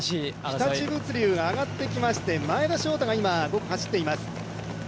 日立物流が上がってきまして前田将太が５区を走っています。